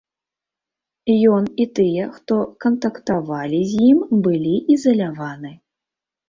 Ён і тыя, хто кантактавалі з ім, былі ізаляваны.